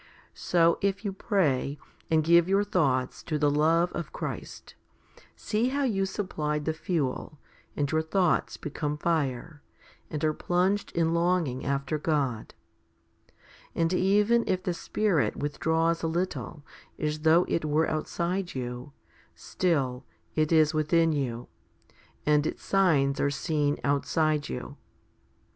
So if you pray, and give your thoughts to the love of Christ, see how you supplied the fuel, and your thoughts become fire, and are plunged in longing after God ; and even if the Spirit withdraws a little, as though It were outside you, still It is within you, and Its signs are seen outside you.